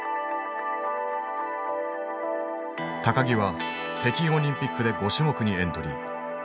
木は北京オリンピックで５種目にエントリー。